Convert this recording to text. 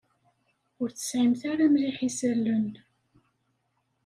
Ur tesɛimt ara mliḥ isallen.